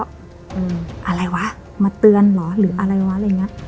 อะไรวะมาเตือนหรออะไรวะอะไรเงี้ย